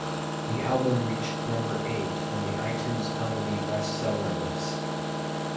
The album reached number eight on the iTunes comedy bestseller list.